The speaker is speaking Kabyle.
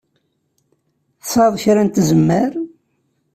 Tesɛiḍ kra n tzemmar?